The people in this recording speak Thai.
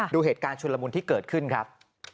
ดูเหตุการณ์ชุนละมุนที่เกิดขึ้นครับ